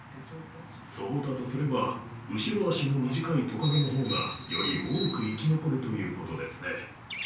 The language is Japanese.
そうだとすれば後ろ足の短いトカゲの方がより多く生き残るということですね。